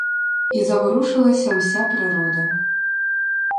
І заворушилась уся природа.